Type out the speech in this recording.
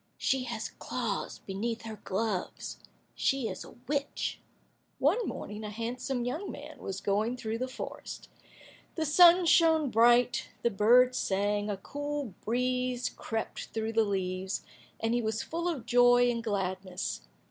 She has claws beneath her gloves; she is a witch." One morning, a handsome young man was going through the forest. The sun shone bright, the birds sang, a cool breeze crept through the leaves, and he was full of joy and gladness.